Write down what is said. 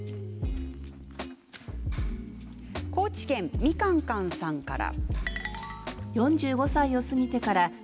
高知県、みかんかんさんから。